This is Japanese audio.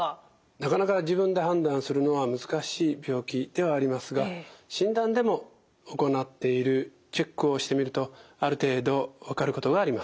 なかなか自分で判断するのは難しい病気ではありますが診断でも行っているチェックをしてみるとある程度分かることがあります。